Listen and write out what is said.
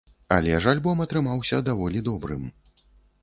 Але ж альбом атрымаўся даволі добрым.